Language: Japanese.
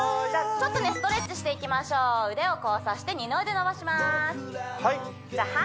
ちょっとねストレッチしていきましょう腕を交差して二の腕伸ばしますじゃ